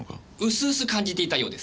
薄々感じていたようです。